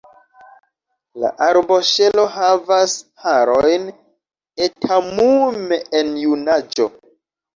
La arboŝelo havas harojn etamume en junaĝo.